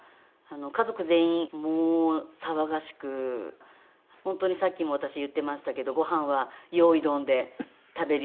家族全員もう騒がしく本当にさっきも私言ってましたけどごはんは「用意ドン」で食べるようなおうちだったし。